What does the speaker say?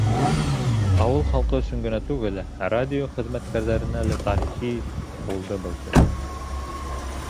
Ауыл халҡы өсөн генә түгел, радио хеҙмәткәрҙәренә лә тарихи булды был көн.